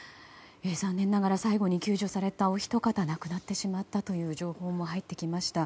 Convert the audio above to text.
残念ながら最後に救助された、お一方亡くなってしまったという情報も入ってきました。